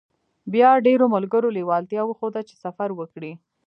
بيا ډېرو ملګرو لېوالتيا وښوده چې سفر وکړي.